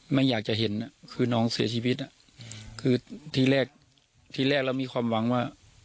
ไม่อยากจะเห็นคือน้องเสียชีวิตอ่ะคือทีแรกที่แรกเรามีความหวังว่า